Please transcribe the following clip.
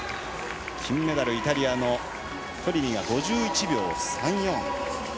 金メダル、イタリアのトリミが５１秒３４。